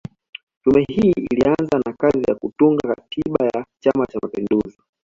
Tume hii ilianza na kazi ya kutunga katiba ya Chama Cha Mapinduzi